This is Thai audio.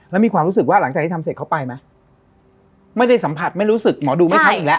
แล้วมีความรู้สึกว่าหลังจากที่ทำเสร็จเขาไปไหมไม่ได้สัมผัสไม่รู้สึกหมอดูไม่พักอีกแล้ว